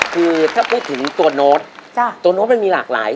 คือถ้าพูดถึงตัวโน้ตตัวโน้ตมันมีหลากหลาย